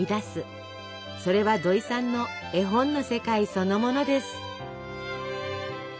それはどいさんの絵本の世界そのものです。